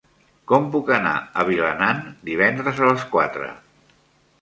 Com puc anar a Vilanant divendres a les quatre?